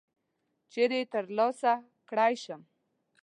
چیري یې ترلاسه کړلای شم ؟